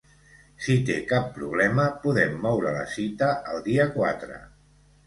Si té cap problema, podem moure la cita al dia quatre.